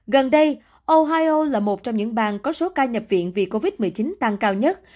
gần đây ohio là một trong những bang có số ca nhập viện vì covid một mươi chín tăng cao nhất